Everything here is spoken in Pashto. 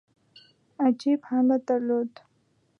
عجیب حالت درلود.